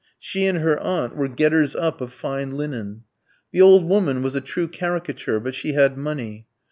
She and her aunt were getters up of fine linen. The old woman was a true caricature; but she had money.